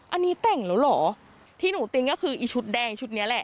อันนี้แต่งแล้วเหรอที่หนูติ้งก็คืออีชุดแดงชุดนี้แหละ